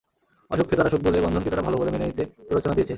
অসুখকে তারা সুখ বলে, বন্ধনকে তারা ভালো বলে মেনে নিতে প্ররোচনা দিয়েছে।